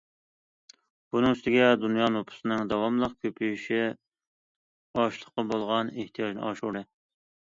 بۇنىڭ ئۈستىگە، دۇنيا نوپۇسىنىڭ داۋاملىق كۆپىيىشى ئاشلىققا بولغان ئېھتىياجنى ئاشۇردى.